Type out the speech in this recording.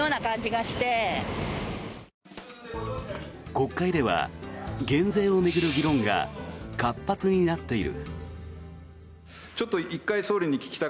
国会では減税を巡る議論が活発になっている。